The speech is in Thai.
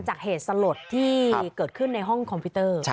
เหตุสลดที่เกิดขึ้นในห้องคอมพิวเตอร์